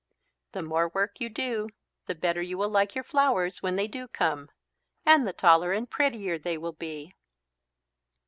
The more work you do the better you will like your flowers when they do come. And the taller and prettier they will be."